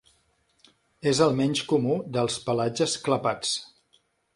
És el menys comú dels pelatges clapats.